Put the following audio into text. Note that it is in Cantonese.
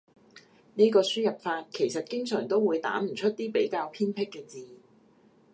呢個輸入法其實經常都會打唔出啲比較偏僻嘅字